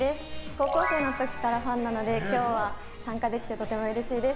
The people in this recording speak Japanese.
高校生の時からファンなので今日は参加できてとてもうれしいです。